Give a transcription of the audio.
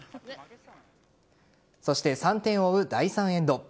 そして３点を追う第３エンド。